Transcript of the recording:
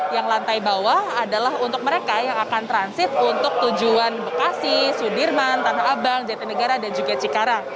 yang lantai bawah adalah untuk mereka yang akan transit untuk tujuan bekasi sudirman tanah abang jatinegara dan juga cikarang